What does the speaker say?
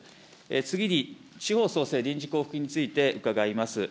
次に、地方創生臨時交付金について伺います。